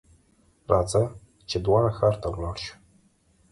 راځه ! چې دواړه ښار ته ولاړ شو.